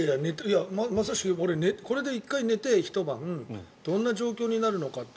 まさしくこれで１回ひと晩寝てどんな状況になるのかって。